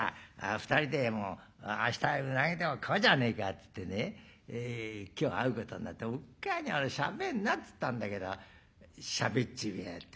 ２人で明日うなぎでも食おうじゃねえかっつってね今日会うことになっておっかあにしゃべんなっつったんだけどしゃべっちめえやがって。